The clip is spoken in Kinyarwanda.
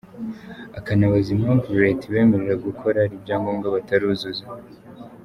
Akanibaza impamvu Leta ibemerera gukora hari ibyangombwa bataruzuza.